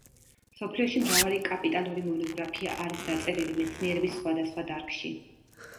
მსოფლიოში მრავალი კაპიტალური მონოგრაფია არის დაწერილი მეცნიერების სხვადასხვა დარგში.